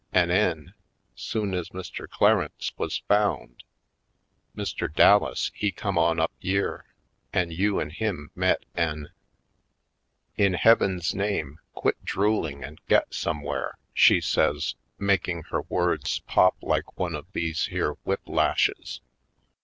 An' 'en, soon ez Mr. Clarence wuz found, Mr. Dallas he come on up yere an' you an' him met an' " "In Heaven's name, quit drooling and get somewhere," she says, making her words pop like one of these here whip lashes.